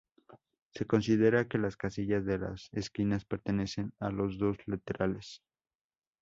Se considera que las casillas de las esquinas pertenecen a los dos laterales.